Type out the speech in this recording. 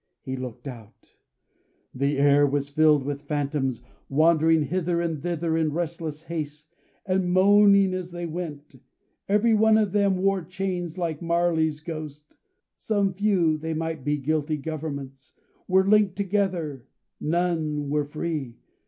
He looked out. The air was filled with phantoms, wandering hither and thither in restless haste, and moaning as they went. Every one of them wore chains like Marley's ghost; some few (they might be guilty governments) were linked together; none were free.